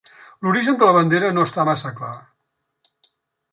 L'origen de la bandera no està massa clar.